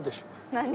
何？